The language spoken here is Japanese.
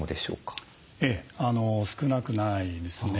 ええ少なくないですね。